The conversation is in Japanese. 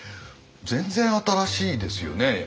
全然新しいですよね。